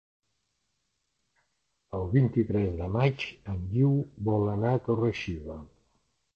El vint-i-tres de maig en Guiu vol anar a Torre-xiva.